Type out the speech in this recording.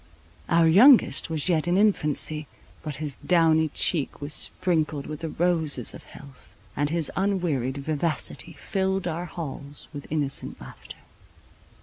Our youngest was yet in infancy; but his downy cheek was sprinkled with the roses of health, and his unwearied vivacity filled our halls with innocent laughter.